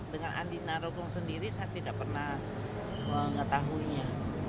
dengan andi narogong sendiri saya tidak pernah mengetahuinya